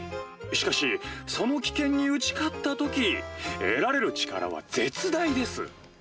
しかしその危険に打ち勝った時得られる力は絶大です。